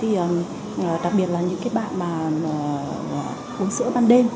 đặc biệt là những bạn uống sữa ban đêm